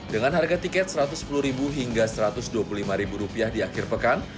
dengan harga tiket rp satu ratus sepuluh hingga rp satu ratus dua puluh lima di akhir pekan